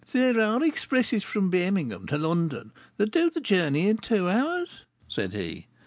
"There are expresses from Birmingham to London that do the journey in two hours," said he.